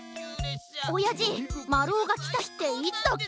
おやじまるおがきたひっていつだっけ？